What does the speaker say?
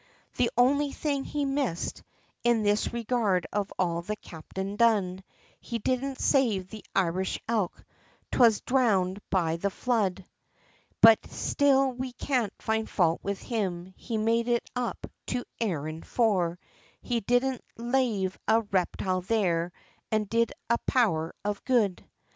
The only thing he missed, in this regard of all the captain done, He didn't save the Irish elk, 'twas dhrownded be the flood, But still we can't find fault with him, he made it up to Erin, for He didn't lave a reptile there, an' did a power of good.